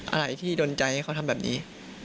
อะไรที่ดนใจให้เขาทำแบบนี้